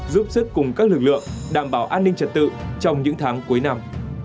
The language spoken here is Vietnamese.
giúp sức cùng các lực lượng đảm bảo an ninh trật tự trong những tháng cuối năm